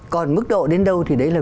còn mức độ đến đâu thì đấy là